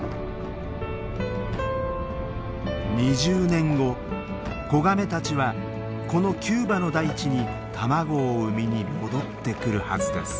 ２０年後子ガメたちはこのキューバの大地に卵を産みに戻ってくるはずです。